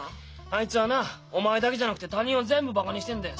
あいつはなお前だけじゃなくて他人を全部バカにしてんだよ。